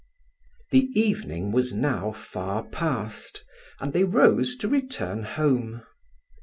THE evening was now far past, and they rose to return home.